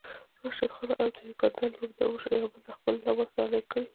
راشد خان او د يوګاندا لوبډلمشر يو بل ته خپل لباس ډالۍ کړی